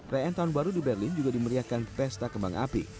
rayaan tahun baru di berlin juga dimeriahkan pesta kembang api